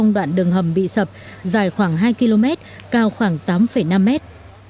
năm đoạn đường hầm bị sập dài khoảng hai km cao khoảng tám năm mét